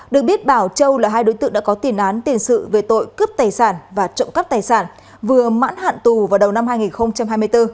được biết bảo châu là hai đối tượng đã có tiền án tiền sự về tội cướp tài sản và trộm cắp tài sản vừa mãn hạn tù vào đầu năm hai nghìn hai mươi bốn